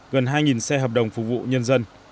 gần hai xe hợp đồng phục vụ nhân dân